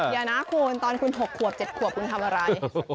อย่านะตอนคุณ๖ขวบ๗ขวบคุณทำอะไร